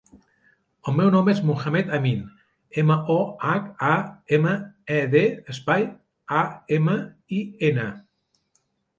El meu nom és Mohamed amin: ema, o, hac, a, ema, e, de, espai, a, ema, i, ena.